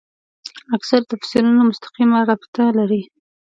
اکثره تفسیرونه مستقیمه رابطه لري.